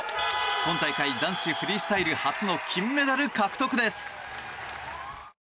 今大会、男子フリースタイル初の金メダル獲得です。